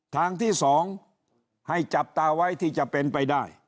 ทางที่๒ให้จับตาไว้ที่จะเป็นไปได้